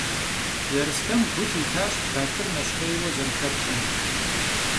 Ерстэм гу лъитащ Батыр нэщхъейуэ зэрыхэплъэм.